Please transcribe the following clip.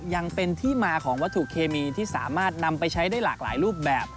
ยังเป็นที่มาของวัตถุเคมีที่สามารถนำไปใช้ได้หลากหลายรูปแบบ